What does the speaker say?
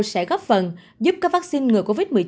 sẽ góp phần giúp các vaccine ngừa covid một mươi chín